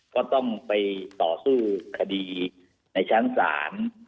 ก็ต้องไปต่อสู้คดีในชั้นศาล